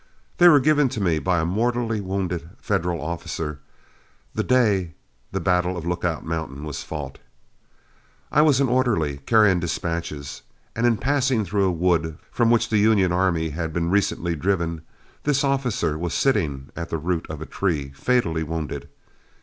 They were given to me by a mortally wounded Federal officer the day the battle of Lookout Mountain was fought. I was an orderly, carrying dispatches, and in passing through a wood from which the Union army had been recently driven, this officer was sitting at the root of a tree, fatally wounded.